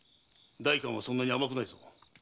代官はそんなに甘くないぞ。